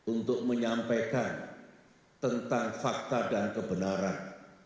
untuk menyampaikan tentang fakta dan kebenaran